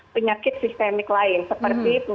penyakit sistemik lain seperti